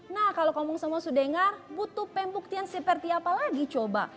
nah kalau kamu semua sudah dengar butuh pembuktian seperti apa lagi coba